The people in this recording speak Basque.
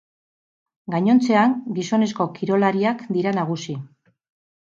Gainontzean, gizonezko kirolariak dira nagusi.